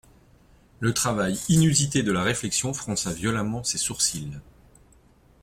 Le travail inusité de la réflexion fronça violemment ses sourcils.